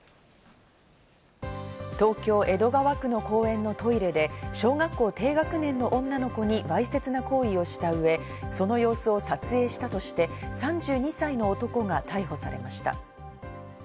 東京・江戸川区の公園のトイレで小学校低学年の女の子にわいせつな行為をした上、その様子を撮影したとして３２歳の男が逮捕されました。